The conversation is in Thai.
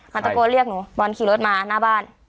เขาตะโกนเรียกหนูบอลขี่รถมาหน้าบ้าน